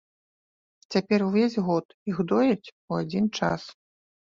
Цяпер увесь год іх дояць у адзін час.